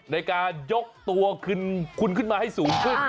ในการยกตัวคุณขึ้นมาให้สูงขึ้น